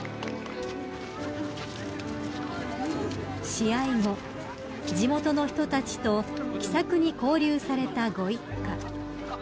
［試合後地元の人たちと気さくに交流されたご一家］